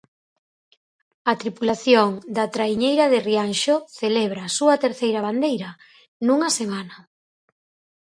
A tripulación da traiñeira de Rianxo celebra a súa terceira bandeira nunha semana.